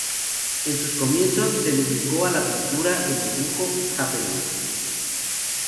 En sus comienzos, se dedicó a la pintura, el dibujo, happenings.